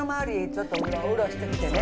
ちょっとウロウロしてきてね